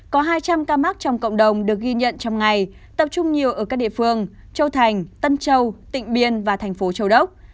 có hai trăm linh ca mắc trong cộng đồng được ghi nhận trong ngày tập trung nhiều ở các địa phương châu thành tân châu tỉnh biên và thành phố châu đốc